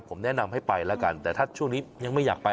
ผมแนะนำให้ไปแล้วกันแต่ถ้าช่วงนี้ยังไม่อยากไป